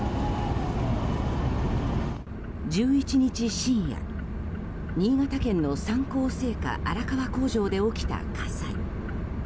１１日深夜新潟県の三幸製菓荒川工場で起きた火災。